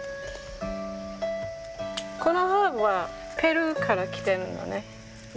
このハーブはペルーから来てるのね。